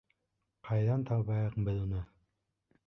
Ҡайҙан табайыҡ беҙ уны?